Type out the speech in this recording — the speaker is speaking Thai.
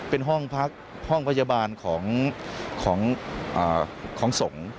เป็นห้องพักห้องพยาบาลของสงฆ์